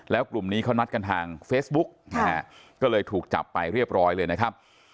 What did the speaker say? แล้วกลุ่มนี้เขานัดกันทางเฟซบุ๊กนะฮะก็เลยถูกจับไปเรียบร้อยเลยนะครับ